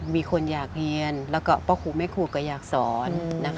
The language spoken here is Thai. มีคนอยากเรียนแล้วก็พ่อครูแม่ครูก็อยากสอน